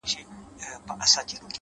اراده خنډونه کوچني کوي،